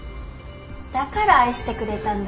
だから愛してくれたんだもん。